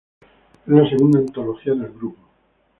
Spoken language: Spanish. Es la segunda antología del grupo.